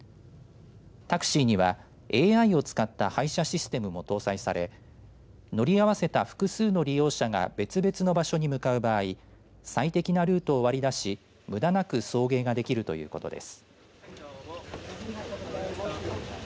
タクシーにはＡＩを使った配車システムも搭載され乗り合わせた複数の利用者が別々の場所に向かう場合最適なルートを割り出しむだなく送迎ができるということです。